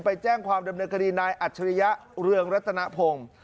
ไปแจ้งความดำเนินคดีนายอัจฉริยะเรืองรัตนพงศ์